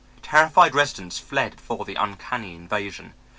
Terrified residents fled before the uncanny invasion.